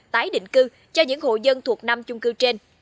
tái định cư cho những hồ dân thuộc năm trung cư trên